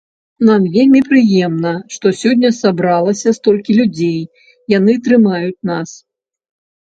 Нам было вельмі прыемна, што сёння сабралася столькі людзей, яны трымаюць нас.